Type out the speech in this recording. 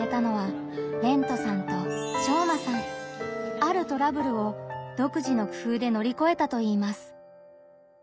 あるトラブルを独自の工夫でのりこえたといいます。